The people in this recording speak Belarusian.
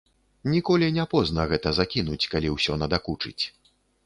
Ніколі не позна гэта закінуць, калі ўсё надакучыць.